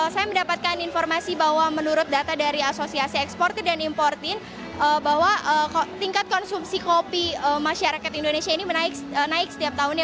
saya mendapatkan informasi bahwa menurut data dari asosiasi eksportir dan importin bahwa tingkat konsumsi kopi masyarakat indonesia ini naik setiap tahunnya